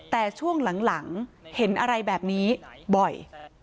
แต่ช่วงหลังเห็นอะไรแบบนี้บ่อย